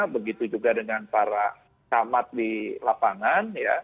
begitu juga dengan para camat di lapangan